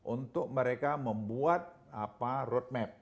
untuk mereka membuat apa road map